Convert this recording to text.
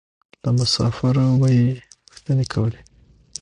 له مسافرو به یې پوښتنې کولې.